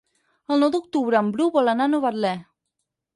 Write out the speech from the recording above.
El nou d'octubre en Bru vol anar a Novetlè.